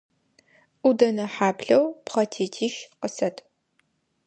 Ӏудэнэ хьаплъэу пхъэтетищ къысэт.